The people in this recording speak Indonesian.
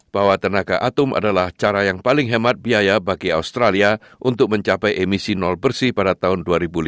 bahwa tenaga atum adalah cara yang paling hemat biaya bagi australia untuk mencapai emisi nol bersih pada tahun dua ribu lima belas